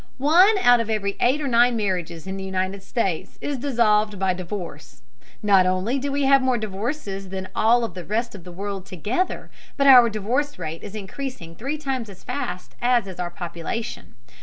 One out of every eight or nine marriages in the United States is dissolved by divorce. Not only do we have more divorces than all of the rest of the world together, but our divorce rate is increasing three times as fast as is our population.